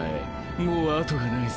もう後がないぜ。